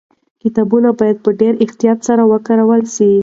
کتابونه باید په ډېر احتیاط سره وکارول سي.